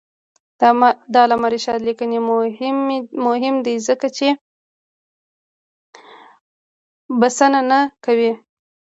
د علامه رشاد لیکنی هنر مهم دی ځکه چې بسنه نه کوي.